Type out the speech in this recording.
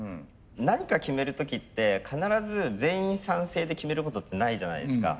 何か決める時って必ず全員賛成で決めることってないじゃないですか。